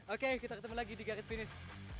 oke kita ketemu lagi di garis finish